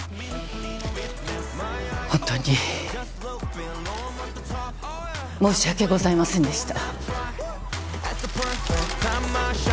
本当に申し訳ございませんでした。